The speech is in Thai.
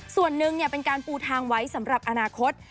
ส่วนหนึ่งเป็นการปูทางไว้สำหรับอนาคต